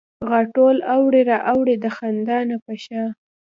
غاټول اوړي او را اوړي د خندا نه په شا